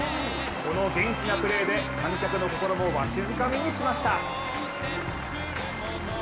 この元気なプレーで観客の心もわしづかみにしました。